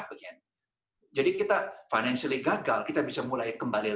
jadi kita secara finansial gagal kita bisa mulai kembali lagi